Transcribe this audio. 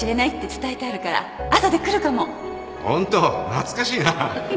懐かしいな。